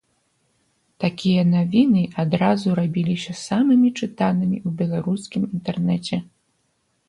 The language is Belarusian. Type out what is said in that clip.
Такія навіны адразу рабіліся самымі чытанымі ў беларускім інтэрнэце.